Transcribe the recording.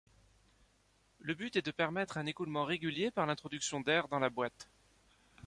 Le but est de permettre un écoulement régulier par l'introduction d'air dans la boite.